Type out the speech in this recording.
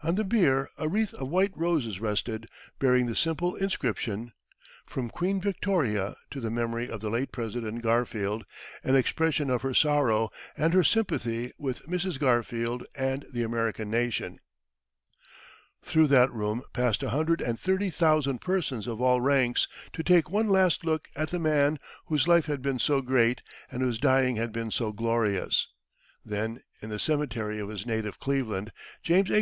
On the bier a wreath of white roses rested, bearing the simple inscription "From Queen Victoria to the memory of the late President Garfield, an expression of her sorrow, and her sympathy with Mrs. Garfield and the American nation." Through that room passed a hundred and thirty thousand persons of all ranks, to take one last look at the man whose life had been so great, and whose dying had been so glorious. Then in the cemetery of his native Cleveland, James A.